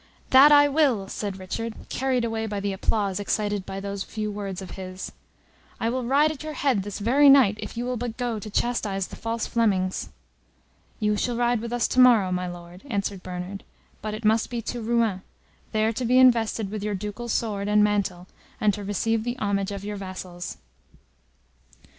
"That I will!" said Richard, carried away by the applause excited by those few words of his. "I will ride at your head this very night if you will but go to chastise the false Flemings." "You shall ride with us to morrow, my Lord," answered Bernard, "but it must be to Rouen, there to be invested with your ducal sword and mantle, and to receive the homage of your vassals."